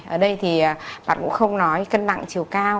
ở đây thì bạn cũng không nói cân nặng chiều cao